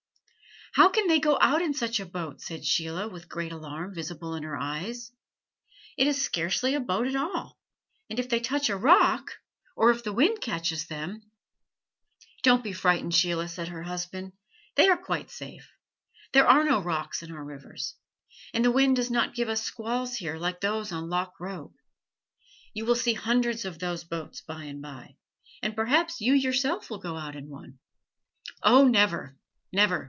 "How can they go out in such a boat?" said Sheila, with great alarm visible in her eyes. "It is scarcely a boat at all; and if they touch a rock, or if the wind catches them " "Don't be frightened, Sheila," said her husband. "They are quite safe. There are no rocks in our rivers, and the wind does not give us squalls here like those on Loch Roag. You will see hundreds of those boats by and by, and perhaps you yourself will go out in one." "Oh, never, never!"